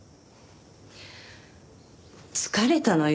疲れたのよ